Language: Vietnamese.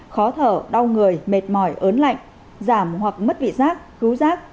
khó thở đau người mệt mỏi ớn lạnh giảm hoặc mất vị giác rú giác